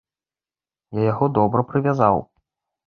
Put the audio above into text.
Я яго добра прывязаў.